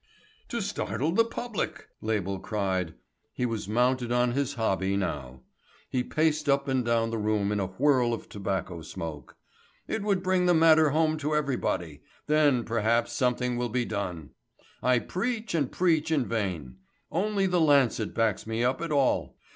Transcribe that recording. "To startle the public," Label cried. He was mounted on his hobby now. He paced up and down the room in a whirl of tobacco smoke. "It would bring the matter home to everybody. Then perhaps something will be done. I preach and preach in vain. Only the Lancet backs me up at all.